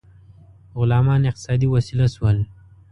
غلامان اقتصادي وسیله شول.